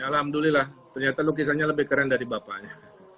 alhamdulillah ternyata lukisannya lebih keren dari bapaknya